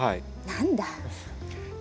何だ。